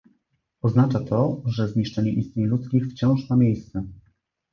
Oznacza to, że zniszczenie istnień ludzkich wciąż ma miejsce